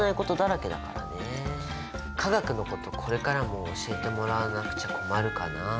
化学のことこれからも教えてもらわなくちゃ困るかなって。